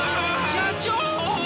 社長！